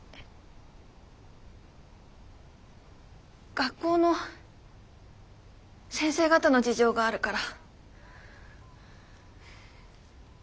学校の先生方の事情があるから。